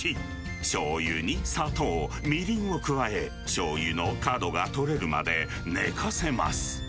しょうゆに砂糖、みりんを加え、しょうゆのかどが取れるまで寝かせます。